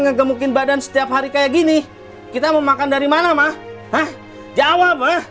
ngegemukin badan setiap hari kayak gini kita mau makan dari mana mah jawab